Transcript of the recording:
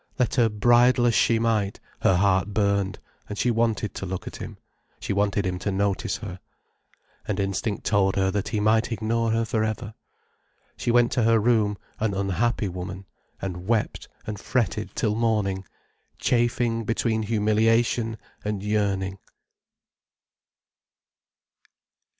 Let her bridle as she might, her heart burned, and she wanted to look at him, she wanted him to notice her. And instinct told her that he might ignore her for ever. She went to her room an unhappy woman, and wept and fretted till morning, chafing between humiliation and yearning.